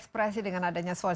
terima kasih pak